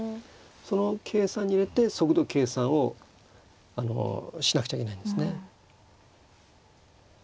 その計算に入れて速度計算をしなくちゃいけないんですね。